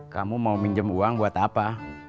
kamu mau minjem uang buat apa